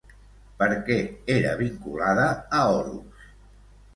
Per què era vinculada a Horus?